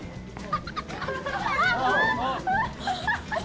「ハハハハ！」